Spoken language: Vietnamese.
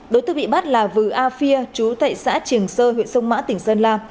đối tượng bị bắt là vư afia chú tại xã trường sơ huyện sông mã tỉnh sơn la